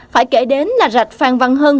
phải kể đến là rạch phan văn hân